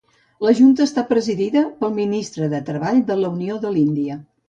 La junta està presidida pel ministre de Treball de la Unió de l'Índia.